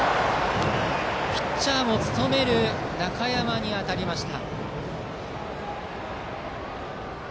ピッチャーも務める中山に当たりました。